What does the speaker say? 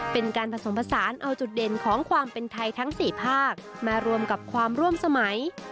เป็นการผสมผสานเอาจุดเด่นของความเป็นไทยทั้ง๔ภาคมารวมกับความร่วมสมัย